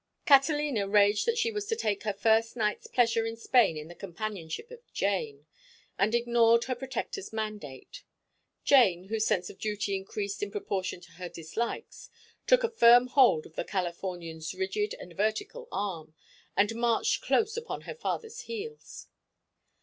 Catalina raged that she was to take her first night's pleasure in Spain in the companionship of Jane, and ignored her protector's mandate. Jane, whose sense of duty increased in proportion to her dislikes, took a firm hold of the Californian's rigid and vertical arm, and marched close upon her father's heels.